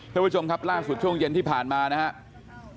ท่านผู้ชมครับล่าสุดช่วงเย็นที่ผ่านมานะครับ